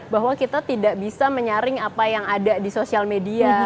bahwa kita tidak bisa menyaring apa yang ada di sosial media